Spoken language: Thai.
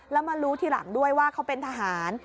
แล้วมารู้ทีหลังด้วยว่าเขาเป็นทหาร